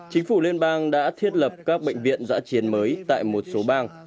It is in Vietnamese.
chính phủ liên bang đã thiết lập các bệnh viện giã chiến mới tại một số bang